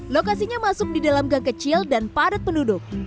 lokasinya masuk di dalam gang kecil dan padat penduduk